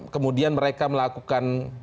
kemudian mereka melakukan